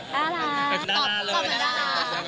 น่ารักตอบธรรมดา